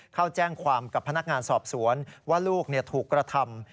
เข้าแจ้งความกับพนักงานสอบสวนว่าลูกถูกกระทำ